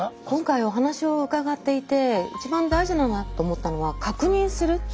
今回お話を伺っていて一番大事だろうなと思ったのは確認する。